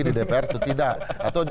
di dpr itu tidak atau